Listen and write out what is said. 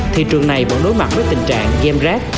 thị trường này vẫn đối mặt với tình trạng ghem rác